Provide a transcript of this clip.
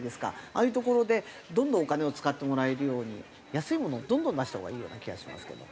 ああいう所でどんどんお金を使ってもらえるように安いものをどんどん出したほうがいいような気がしますけど。